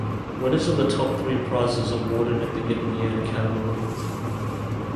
Winners of the top three prizes awarded in the given year and category.